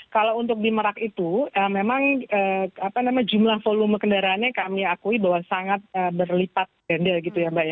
kalau untuk di merak itu memang jumlah volume kendaraannya kami akui bahwa sangat berlipat